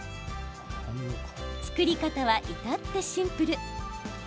作り方は至ってシンプル。